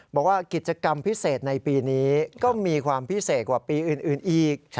บอกว่ากิจกรรมพิเศษในปีนี้ก็มีความพิเศษกว่าปีอื่นอีก